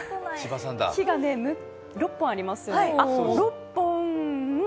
木が６本あります。